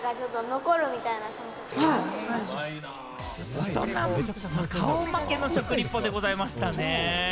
大人顔負けの食リポでございましたね。